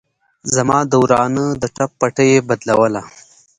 زما د ورانه د ټپ پټۍ يې بدلوله.